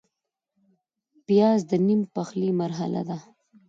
پیاز د نیم پخلي مرحله ده